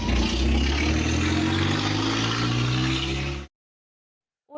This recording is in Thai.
รถจะท้อน